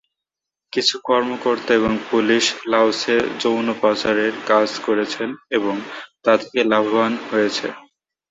কিছু কর্মকর্তা এবং পুলিশ লাওসে যৌন পাচারের কাজ করেছেন এবং তা থেকে লাভবান হয়েছে।